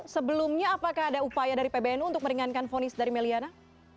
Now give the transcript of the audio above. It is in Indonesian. sebelumnya apakah ada upaya dari pbnu untuk meringankan vonis dari may liana